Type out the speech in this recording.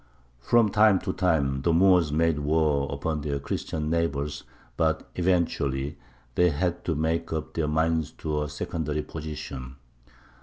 From time to time the Moors made war upon their Christian neighbours, but eventually they had to make up their minds to a secondary position.